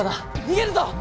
逃げるぞ！